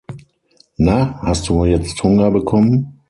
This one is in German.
Na, hast du jetzt Hunger bekommen?